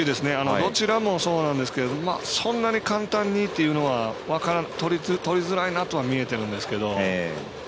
どちらもそうなんですけどそんなに簡単にというのは取りづらいなとは見えてるんですけど。